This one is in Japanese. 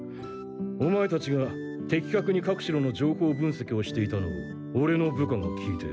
オマエたちが的確に各城の情報分析をしていたのをオレの部下が聞いて。